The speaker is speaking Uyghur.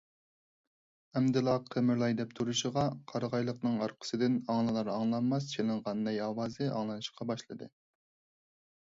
ئەمدىلا قىمىرلاي دەپ تۇرۇشىغا، قارىغايلىقنىڭ ئارقىسىدىن ئاڭلىنار - ئاڭلانماس چېلىنغان نەي ئاۋازى ئاڭلىنىشقا باشلىدى.